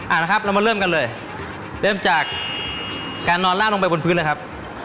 เอาละครับเรามาเริ่มกันเลยเริ่มจากการนอนลาดลงไปบนพื้นนะครับ